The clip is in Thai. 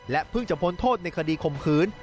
และเพิ่งจะพ้นโทษในคดีคมคืน